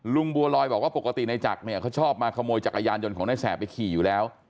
บัวลอยบอกว่าปกติในจักรเนี่ยเขาชอบมาขโมยจักรยานยนต์ของนายแสบไปขี่อยู่แล้ว